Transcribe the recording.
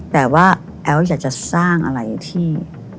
แต่ว่าแอ๊วอยากจะสร้างอะไรที่